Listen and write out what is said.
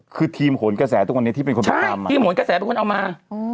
คือทีมขนกระแสตัวคนนี้ที่เป็นคนไปตามมา